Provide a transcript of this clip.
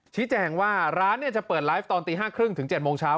ชี้แจงว่าร้านจะเปิดไลฟ์ตอนตี๕๓๐ถึง๗โมงเช้า